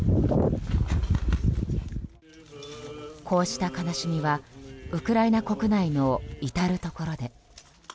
こうした悲しみはウクライナ国内の至るところで。